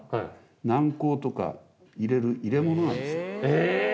え！